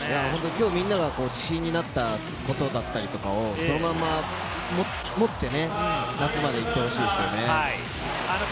今日みんなが自信になったことだったりをそのまま持って夏まで行ってほしいですよね。